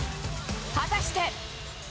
果たして？